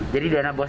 jadi dana bos